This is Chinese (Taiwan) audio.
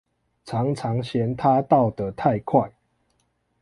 常常嫌牠到得太快